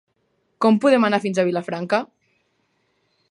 Com podem anar fins a Vilafranca?